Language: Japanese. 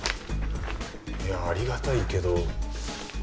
いやありがたいけど。